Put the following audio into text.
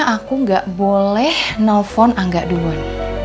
aku nggak boleh nelfon angga duluan